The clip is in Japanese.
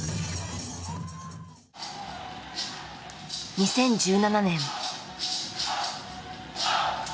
２０１７年。